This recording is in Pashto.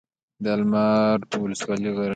د المار ولسوالۍ غرنۍ ده